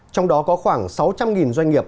trong đó có khoảng sáu trăm linh doanh nghiệp